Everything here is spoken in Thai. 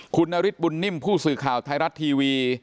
คุณนฤทธบุญนิ่มผู้สื่อข่าวไทยรัฐทีวี